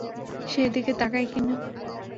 সে এদিকে তাকায় কিনা।